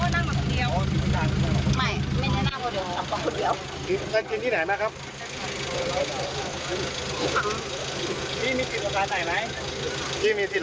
ที่มีสิทธิ์รักษารักษาโรงพยาบาลไหนไหม